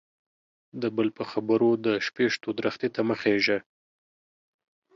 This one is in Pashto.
د بل په خبرو د شپيشتو درختي ته مه خيژه.